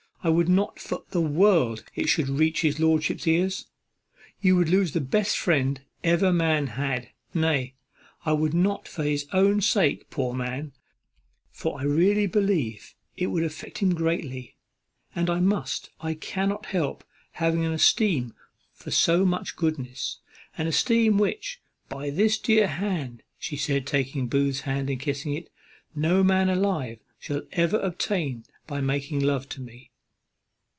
I would not for the world it should reach his lordship's ears. You would lose the best friend that ever man had. Nay, I would not for his own sake, poor man; for I really believe it would affect him greatly, and I must, I cannot help having an esteem for so much goodness. An esteem which, by this dear hand," said she, taking Booth's hand and kissing it, "no man alive shall ever obtain by making love to me."